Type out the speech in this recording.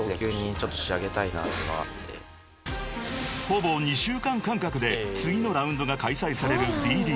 ［ほぼ２週間間隔で次のラウンドが開催されるＤ．ＬＥＡＧＵＥ］